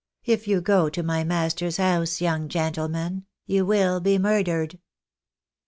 If you go to my master's house, young gentleman, you will be murdered !